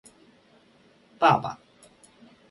爸爸